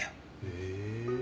へえ。